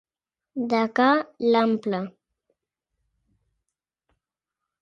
De ca l'ample.